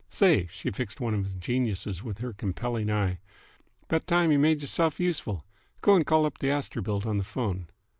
Say!" She fixed one of the geniuses with her compelling eye. "'Bout time y' made y'rself useful. Go'n call up th' Astorbilt on th' phone.